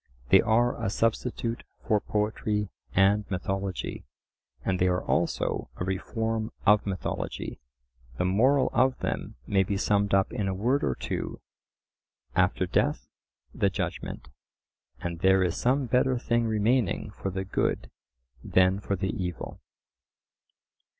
They are a substitute for poetry and mythology; and they are also a reform of mythology. The moral of them may be summed up in a word or two: After death the Judgment; and "there is some better thing remaining for the good than for the evil."